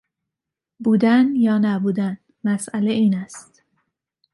بودن یا نبودن، مسئله این است.